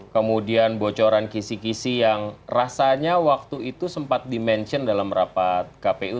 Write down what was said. kemudian bocoran kisi kisi yang rasanya waktu itu sempat di mention dalam rapat kpu